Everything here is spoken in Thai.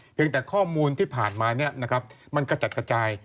เพียงแต่ข้อมูลที่ผ่านมานะครับมันกระจัดกระจาย